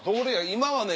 今はね